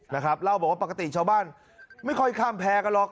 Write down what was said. นะครับเล่าบอกว่าปกติชาวบ้านไม่ค่อยข้ามแพร่กันหรอก